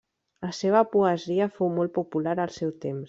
La seva poesia fou molt popular al seu temps.